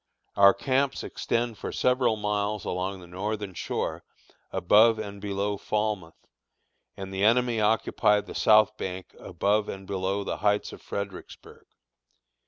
Our camps extend for several miles along the northern shore above and below Falmouth, and the enemy occupy the south bank above and below the Heights of Fredericksburg.